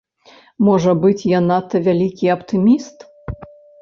Можа быць, я надта вялікі аптыміст.